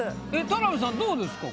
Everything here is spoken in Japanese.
田辺さんどうですか？